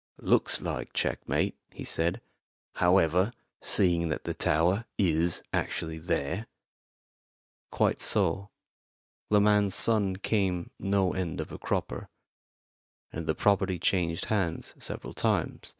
"Looks like checkmate," he said. "However, seeing that the tower is actually there " "Quite so. This man's son came no end of a cropper, and the property changed hands several times.